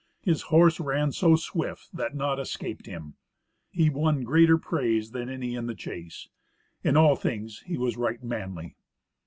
His horse ran so swift that naught escaped him; he won greater praise than any in the chase. In all things he was right manly.